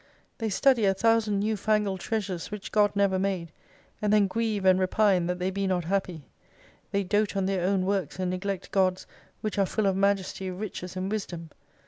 They study a thousand newfangled treasures, which God never made : and then grieve and repine that they be not happy. They dote on their own works, and neglect God's, which are full of majesty, riches, and wisdom.